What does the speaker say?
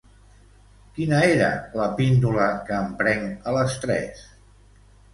Quina era la píndola que em prenc a les tres?